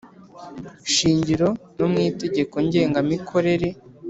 shingiro no mu itegeko ngengamikorere